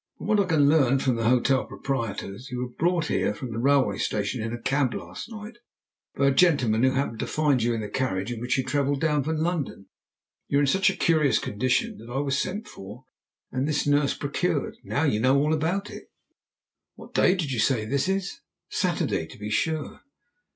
From what I can learn from the hotel proprietors, you were brought here from the railway station in a cab last night by a gentleman who happened to find you in the carriage in which you travelled down from London. You were in such a curious condition that I was sent for and this nurse procured. Now you know all about it." "What day did you say this is?" "Saturday, to be sure."